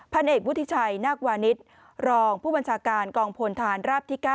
เอกวุฒิชัยนาควานิสรองผู้บัญชาการกองพลฐานราบที่๙